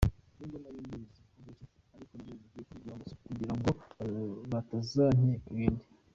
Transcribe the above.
N’ubwo nari mbizi ho gake ariko nagerageje kwigira umuswa, kugirango batazankeka ibindi.